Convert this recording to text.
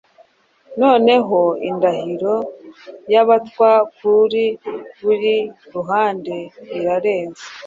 Noneho indahiro yabatwa kuri buri ruhande irarenze